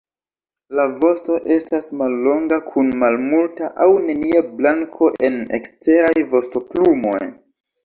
La vosto estas mallonga kun malmulta aŭ nenia blanko en eksteraj vostoplumoj.